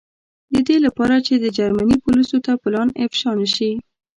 د دې له پاره چې د جرمني پولیسو ته پلان افشا نه شي.